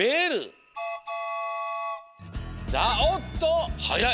さあおっとはやい！